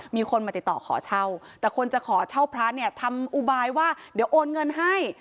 มีคนมาติดต่อขอเช่าแต่คนจะขอเช่าพระเนี่ยทำอุบายว่าเดี๋ยวโอนเงินให้